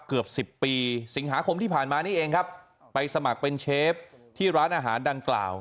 เกือบสิบปีสิงหาคมที่ผ่านมานี่เองครับไปสมัครเป็นเชฟที่ร้านอาหารดังกล่าว